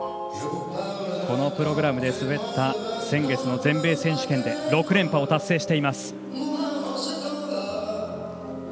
このプログラムで滑った先月の全米選手権で６連覇を達成しています。